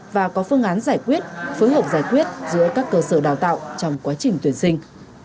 và có phương án giải quyết phối hợp giải quyết giữa các cơ sở đào tạo trong quá trình tuyển sinh